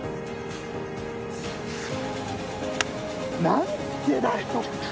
何でだよ。